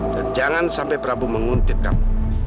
dan jangan sampai prabu menguntit kamu